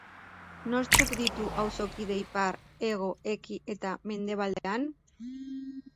Nortzuk ditu auzokide ipar, hego, eki eta mendebaldean?